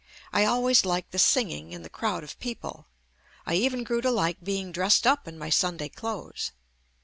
I always liked the singing and the.crowd of people. I even grew to like being dressed up in my Sunday clothes.